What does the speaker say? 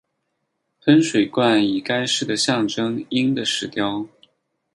喷泉冠以该市的象征鹰的石雕。